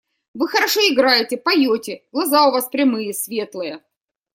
– Вы хорошо играете, поете, глаза у вас прямые, светлые.